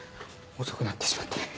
遅くなってしまって。